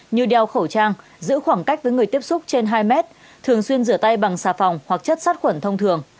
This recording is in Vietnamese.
như đeo khẩu trang giữ khoảng cách với người tiếp xúc trên hai mét thường xuyên rửa tay bằng xà phòng hoặc chất sát khuẩn thông thường